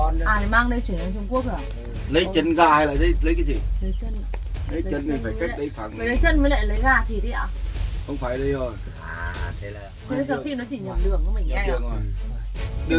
nhóm phong viên nhóm phong viên nhóm phong viên